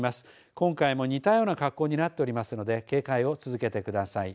今回も似たような格好になっておりますので警戒を続けてください。